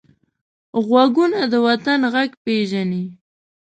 غوږونه د وطن غږ پېژني